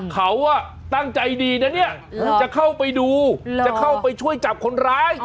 เขาตั้งใจดีนะเนี่ยจะเข้าไปดูจะเข้าไปช่วยจับคนร้าย